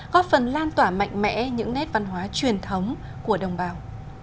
góp phần lan tỏa mạnh mẽ những nét văn hóa truyền thống của đồng bào